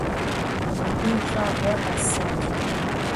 Абы и лӏэгъуэр къэсащ.